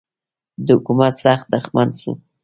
د حکومت سخت دښمن سو.